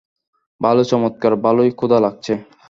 ভালো, চমৎকার, ভালোই ক্ষুধা লাগছে?